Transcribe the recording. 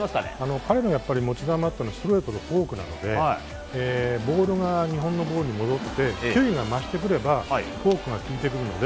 彼の持ち球は、やっぱりストレートとフォークなので日本のボールに戻って、球威が増してくればフォークが効いてくるので。